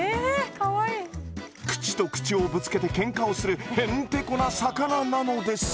口と口をぶつけてケンカをするへんてこな魚なのです。